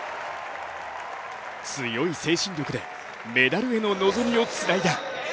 強い精神力でメダルへの望みをつないだ。